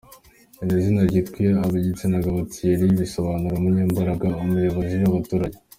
Iri zina ryitwa ab’igitsina gabo, Thierry bisobanura “umunyembaraga, umuyobozi w’abaturage.